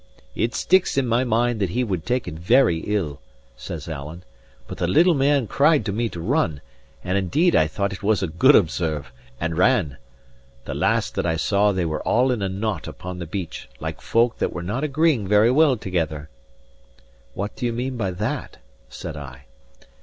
"It sticks in my mind that he would take it very ill," says Alan. "But the little man cried to me to run, and indeed I thought it was a good observe, and ran. The last that I saw they were all in a knot upon the beach, like folk that were not agreeing very well together." "What do you mean by that?" said I.